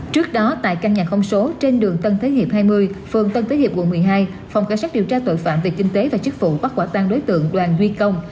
trước đó tại căn nhà không số trên đường tân thế hiệp hai mươi phường tân thế hiệp quận một mươi hai phòng cảnh sát điều tra tội phạm về kinh tế và chức vụ bắt quả tăng đối tượng đoàn duy công